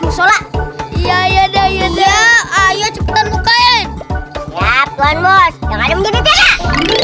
musyola iya iya iya iya ayo cepetan bukain ya tuhan bos jangan menjadi pihak